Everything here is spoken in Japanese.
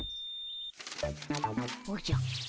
おじゃ。